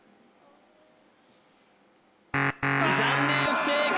残念不正解